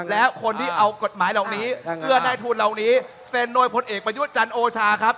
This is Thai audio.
แล้วคนที่เอากฎหมายเหล่านี้เพื่อได้ทุนเหล่านี้เซ็นโดยพลเอกประยุทธ์จันทร์โอชาครับ